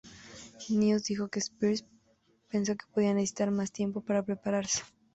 News dijo que Spears pensó que podría necesitar más tiempo para prepararse.